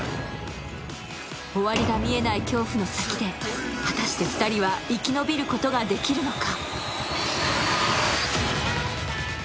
終わりが見えない恐怖の先で果たして２人は生き延びることができるのか。